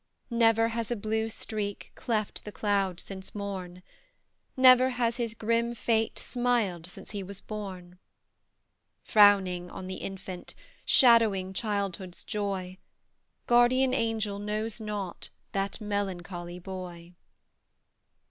Never has a blue streak Cleft the clouds since morn; Never has his grim fate Smiled since he was born. Frowning on the infant, Shadowing childhood's joy Guardian angel knows not That melancholy boy.